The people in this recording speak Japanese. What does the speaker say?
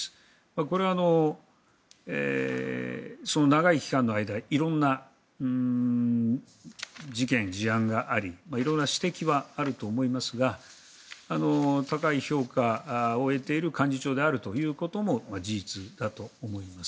これは、その長い期間の間色んな事件、事案があり色々な指摘はあると思いますが高い評価を得ている幹事長であるということも事実だと思います。